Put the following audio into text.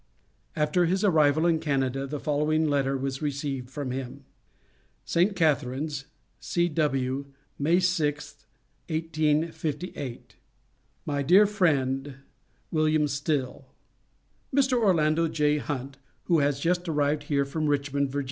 After his arrival in Canada, the following letter was received from him: ST. CATHARINES, C.W., May 6th, 1858. MY DEAR FRIEND: WM. STILL: Mr. Orlando J. Hunt, who has just arrived here from Richmond, Va.